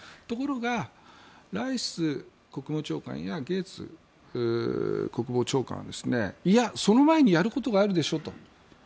ところが、ライス国務長官やゲーツ国防長官はいや、その前にやることがあるでしょと。